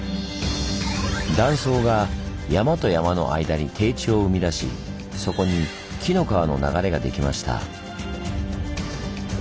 断層が山と山の間に低地を生み出しそこに紀の川の流れができました。